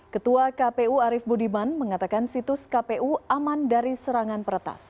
ketua kpu arief budiman mengatakan situs kpu aman dari serangan peretas